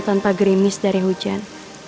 tanpa gerimis dari hujan